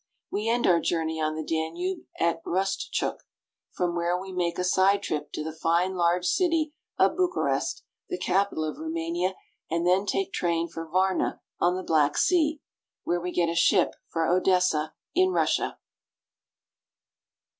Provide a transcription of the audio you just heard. We end our journey on the Danube at Rustchuk, from where we make a side trip to the fine large city of Bucha rest, the capital of Roumania, and then take train for Varna on the Black Sea, where we get a ship for Odessa, in Russia.